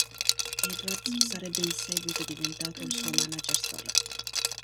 Edwards sarebbe in seguito diventato il suo manager storico.